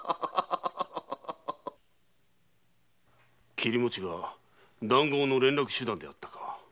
切餅は談合の連絡手段であったか。